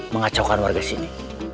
mengacaukan warga sini